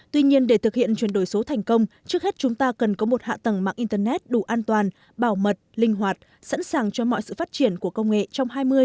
tuy nhiên để thực hiện chuyển đổi số thành công trước hết chúng ta cần có một hạ tầng mạng internet đủ an toàn bảo mật linh hoạt sẵn sàng cho mọi sự phát triển của công nghệ trong hai mươi ba mươi